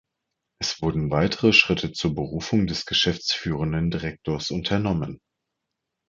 Es wurden weitere Schritte zur Berufung des geschäftsführenden Direktors unternommen.